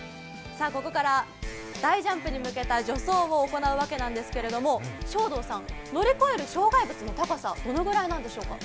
ここから、大ジャンプに向けた助走を行うわけなんですが正道さん、乗り越える障害物の高さはどのくらいなんでしょうか。